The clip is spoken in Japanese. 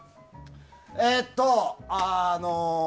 えっと、あの。